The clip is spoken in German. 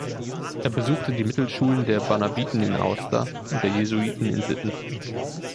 Er besuchte die Mittelschulen der Barnabiten in Aosta und der Jesuiten in Sitten.